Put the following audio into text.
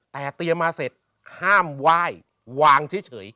แต่เตรียมมาเสร็จห้ามไหว้วางเฉย